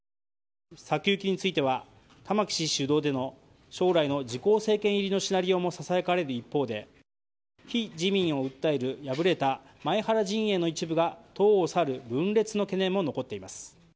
先行きについては玉木氏主導での将来の自公政権入りのシナリオもささやかれる一方で非自民を訴える敗れた前原陣営の一部が党を去る分裂の懸念も残っています。